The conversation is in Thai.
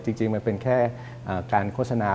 จริงมันเป็นแค่การโฆษณา